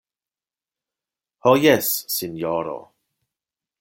Ho jes, sinjoro.